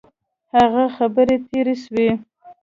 هغه خبري تیري سوې.